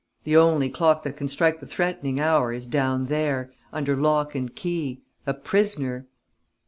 The only clock that can strike the threatening hour is down there, under lock and key, a prisoner!"